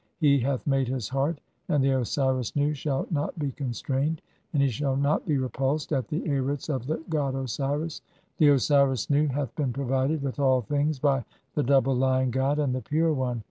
"[He] hath made his heart, and the Osiris Nu shall not be con strained and he shall not be repulsed at the Arits of the god "Osiris. (10) The Osiris Nu hath been provided [with all things] "by the double Lion god, and the pure one